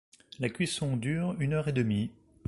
La cuisson dure une heure et demie.